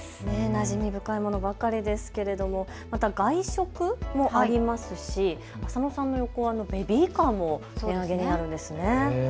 なじみ深いものばかりですけれどもまた外食もありますしベビーカーも値上げになるんですね。